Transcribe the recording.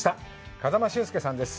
風間俊介さんです。